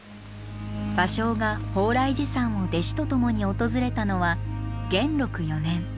芭蕉が鳳来寺山を弟子と共に訪れたのは元禄４年。